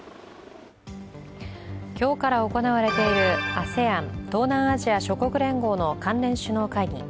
今日から行われているＡＳＥＡＮ＝東南アジア諸国連合の関連首脳会議。